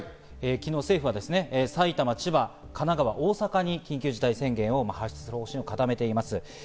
昨日、政府は埼玉、千葉、神奈川、大阪に緊急事態宣言を発出する方針を固めています。